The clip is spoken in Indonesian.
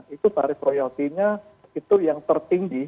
itu tarif royaltinya itu yang tertinggi